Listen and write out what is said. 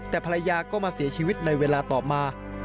แต่ภรรยาก็มาเสียชีวิตในเวลาต่อมา